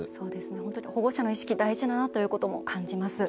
本当に保護者の意識大事だなということも感じます。